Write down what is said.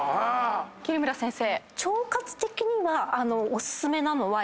桐村先生。